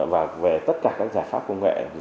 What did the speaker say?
và về tất cả các giải pháp công nghệ